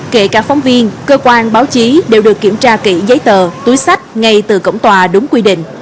kể cả phóng viên cơ quan báo chí đều được kiểm tra kỹ giấy tờ túi sách ngay từ cổng tòa đúng quy định